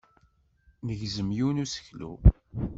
Negzem yiwen n useklu.